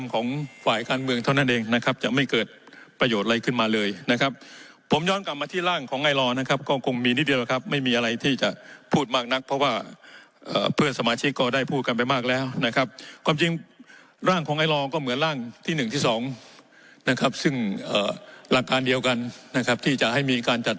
ของฝ่ายการเมืองเท่านั้นเองนะครับจะไม่เกิดประโยชน์อะไรขึ้นมาเลยนะครับผมย้อนกลับมาที่ร่างของไอลอร์นะครับก็คงมีนิดเดียวครับไม่มีอะไรที่จะพูดมากนักเพราะว่าเพื่อนสมาชิกก็ได้พูดกันไปมากแล้วนะครับความจริงร่างของไอรองก็เหมือนร่างที่หนึ่งที่สองนะครับซึ่งหลักการเดียวกันนะครับที่จะให้มีการจัด